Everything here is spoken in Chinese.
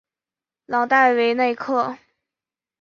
朗代韦内克。